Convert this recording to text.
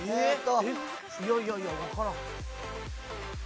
いやいやいやわからん。